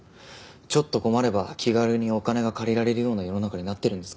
ちょっと困れば気軽にお金が借りられるような世の中になってるんですから。